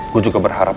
gue juga berharap